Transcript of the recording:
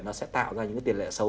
nó sẽ tạo ra những cái tiền lệ xấu